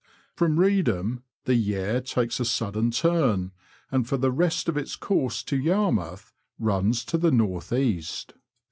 From Reedham the Yare takes a sudden turn, and for the rest of its course to Yarmouth runs to the north east.